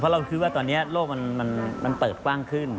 เราคิดว่าตอนนี้โลกมันเปิดกว้างขึ้น